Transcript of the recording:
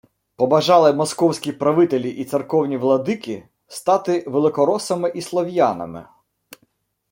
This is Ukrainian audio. Побажали московські правителі й церковні владики стати великоросами і слов'янами